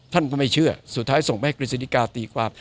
ท่านก็ไม่เชื่อสุดท้ายส่งไปให้กฤษฎิกาตีความ